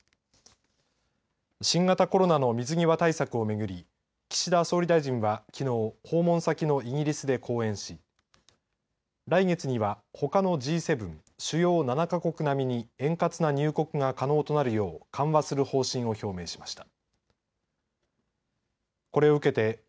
新型コロナの水際対策を巡り岸田総理大臣はきのう訪問先のイギリスで講演し来月には、ほかのＧ７主要７か国並みに円滑な入国が可能となるよう緩和する方針を表明しました。